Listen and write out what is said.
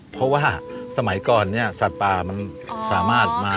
เพราะว่าสมัยก่อนเนี่ยสัตว์ป่ามันสามารถมา